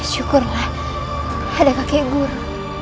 syukurlah ada kakek guru